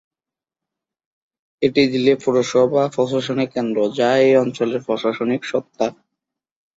এটি দিলি পৌরসভা প্রশাসনের কেন্দ্র যা এই অঞ্চলের প্রশাসনিক সত্তা।